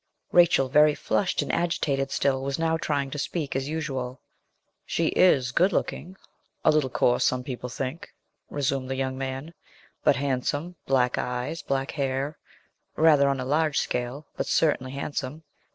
Rachel, very flushed and agitated still, was now trying to speak as usual. 'She is good looking a little coarse some people think,' resumed the young man; 'but handsome; black eyes black hair rather on a large scale, but certainly handsome.